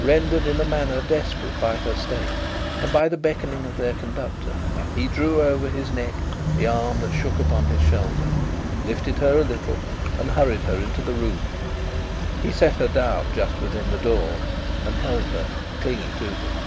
Rendered in a manner desperate, by her state and by the beckoning of their conductor, he drew over his neck the arm that shook upon his shoulder, lifted her a little, and hurried her into the room. He sat her down just within the door, and held her, clinging to him.